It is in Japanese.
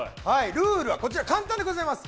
ルールは簡単でございます。